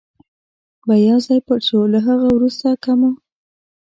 به یو ځای پټ شو، له هغه وروسته که مو.